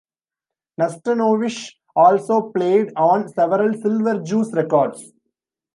Nastanovich also played on several Silver Jews records.